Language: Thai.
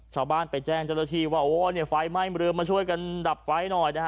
ชาวบ้านไปแจ้งเจ้าหน้าทีว่าโอ้ไฟไหม๊ดรมาช่วยกันดับไฟหน่อยนะครับ